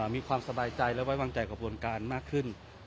มีความสบายใจและไว้วางใจกระบวนการมากขึ้น